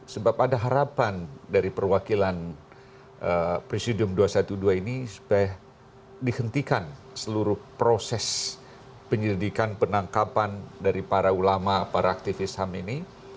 sebab ada harapan dari perwakilan presidium dua ratus dua belas ini supaya dihentikan seluruh proses penyelidikan penangkapan dari para ulama para aktivis ham ini